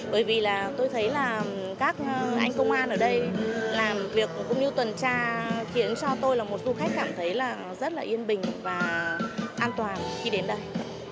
bởi vì là tôi thấy là các anh công an ở đây làm việc cũng như tuần tra khiến cho tôi là một du khách cảm thấy là rất là yên bình và an toàn khi đến đây